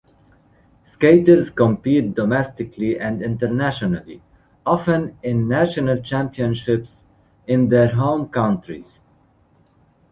Skaters compete domestically and internationally, often in national championships in their home countries.